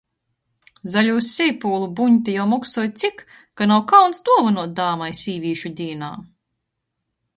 Zaļūs seipulu buņte jau moksoj cik, ka nav kauns duovynuot dāmai sīvīšu dīnā!?...